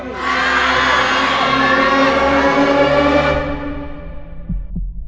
ได้ครับ